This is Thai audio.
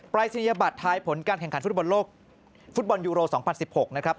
รายศนียบัตรทายผลการแข่งขันฟุตบอลโลกฟุตบอลยูโร๒๐๑๖นะครับ